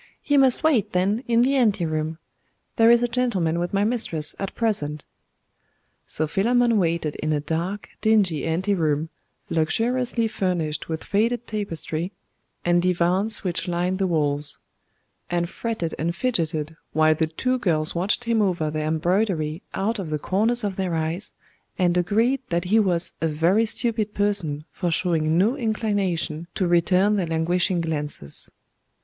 'He must wait, then, in the ante room. There is a gentleman with my mistress at present.' So Philammon waited in a dark, dingy ante room, luxuriously furnished with faded tapestry, and divans which lined the walls; and fretted and fidgeted, while the two girls watched him over their embroidery out of the corners of their eyes, and agreed that he was a very stupid person for showing no inclination to return their languishing glances.